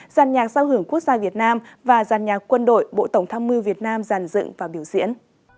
giàn nhạc giao hưởng quốc gia việt nam và giàn nhạc quân đội bộ tổng tham mưu việt nam giàn dựng và biểu diễn